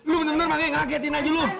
lu bener bener ngagetin aja lu